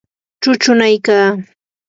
chuchunaykaa.